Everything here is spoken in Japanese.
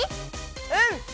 うん！